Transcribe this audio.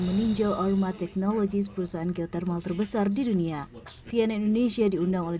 meninjau aroma teknologi perusahaan geotermal terbesar di dunia cien indonesia diundang oleh